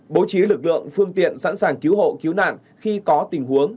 bố trí lực lượng phương tiện sẵn sàng cứu hộ cứu nạn khi có tình huống